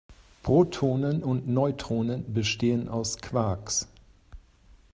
Protonen und Neutronen bestehen aus Quarks.